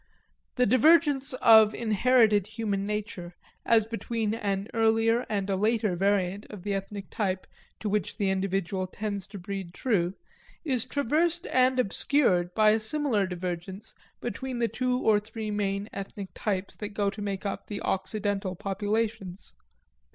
This divergence of inherited human nature, as between an earlier and a later variant of the ethnic type to which the individual tends to breed true, is traversed and obscured by a similar divergence between the two or three main ethnic types that go to make up the Occidental populations.